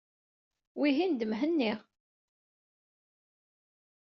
Wihin d Mhenni?